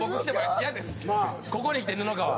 ここに来て布川。